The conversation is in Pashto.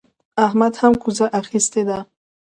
احمد هم کوزه اخيستې ده.